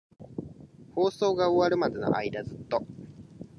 放送が終わるまでの間、ずっと。